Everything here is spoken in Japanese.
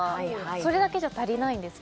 それだけじゃ足りないんですか？